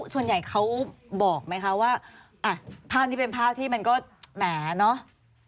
ส่วนใหญ่เขาบอกไหมคะว่าอ่ะภาพนี้เป็นภาพที่มันก็แหมเนอะ